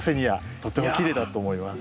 とってもきれいだと思います。